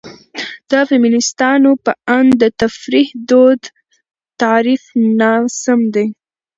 د فيمنستانو په اند: ''...د فطرت دود تعريف ناسم دى.